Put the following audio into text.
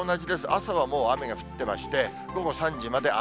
朝はもう雨が降ってまして、午後３時まで雨。